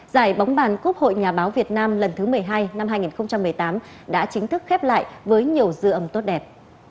giải bóng bàn quốc hội nhà báo việt nam lần thứ một mươi hai năm hai nghìn một mươi tám đã chính thức khép lại với nhiều dư âm tốt đẹp